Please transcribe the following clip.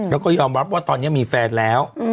แล้วก็ยอมรับว่าตอนนี้มีแฟนแล้ว